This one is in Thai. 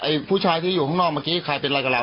แล้วไอ่ผู้ชายที่อยู่ข้างนอกเมื่อกี้ใครเป็นอะไรกับเรานอ